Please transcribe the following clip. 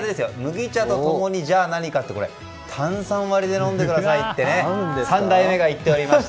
麦茶とともに、じゃあ何かって炭酸割りで飲んでくださいってね３代目が言っておりました。